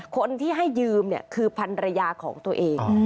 คนที่ให้ยืมคือพันรยาของตัวเอง